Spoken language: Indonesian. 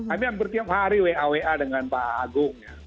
ini yang berhari hari wa wa dengan pak agung